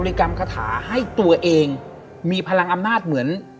กรรมคาถาให้ตัวเองมีพลังอำนาจเหมือน